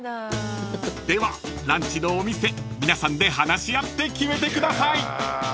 ［ではランチのお店皆さんで話し合って決めてください］